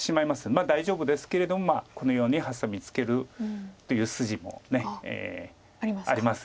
まあ大丈夫ですけれどもこのようにハサミツケるという筋もありますよね。